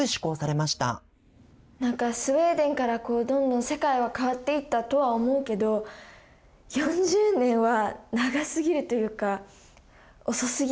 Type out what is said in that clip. なんかスウェーデンからこうどんどん世界は変わっていったとは思うけど４０年は長すぎるというか遅すぎるなっていうふうに感じました。